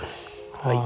はい。